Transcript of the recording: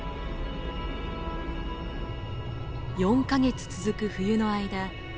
４か月続く冬の間